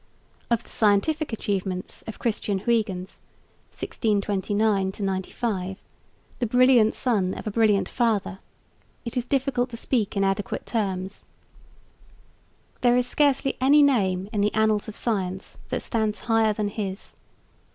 Of the scientific achievements of Christian Huyghens (1629 95), the brilliant son of a brilliant father, it is difficult to speak in adequate terms. There is scarcely any name in the annals of science that stands higher than his.